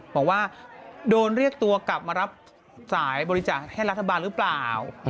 บอกว่าโดนเรียกตัวกลับมารับสายบริจาคให้รัฐบาลหรือเปล่า